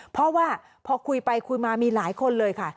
เพราะว่าพอคุยไปคุยมามีหลายคนเลยค่ะ